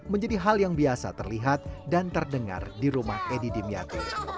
menjadi hal yang biasa terlihat dan terdengar di rumah edi dimyati